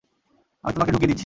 আমি তোমাকে ঢুকিয়ে দিচ্ছি।